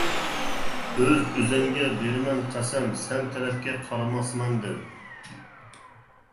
ئۆز ئۆزۈمگە بېرىمەن قەسەم، سەن تەرەپكە قارىماسمەن، دەپ.